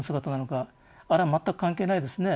あるいは全く関係ないですね